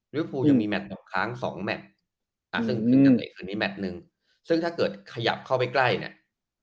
ริวภูร์ยังมีแมทต่อค้าง๒แมทซึ่งถ้าเกิดขยับเข้าไปใกล้เนี่ย